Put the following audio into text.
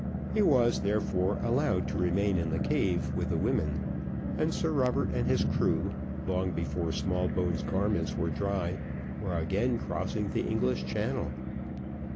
He was, therefore, allowed to remain in the cave with the women, and Sir Robert and his crew, long before Smallbones' garments were dry, were again crossing the English Channel.